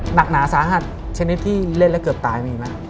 หนักหนาสาหัสชนิดที่เล่นแล้วเกือบตายมีไหม